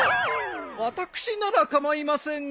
私なら構いませんが。